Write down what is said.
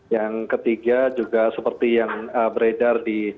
yang ketiga juga seperti yang beredar di